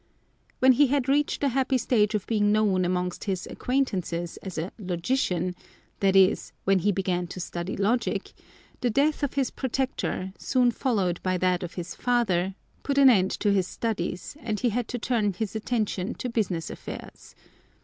When he had reached the happy stage of being known among his acquaintances as a logician, that is, when he began to study logic, the death of his protector, soon followed by that of his father, put an end to his studies and he had to turn his attention to business affairs.